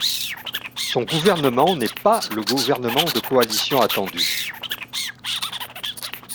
Son gouvernement n'est pas le gouvernement de coalition attendu.